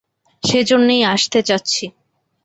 সে জন্যেই আসতে চাচ্ছি।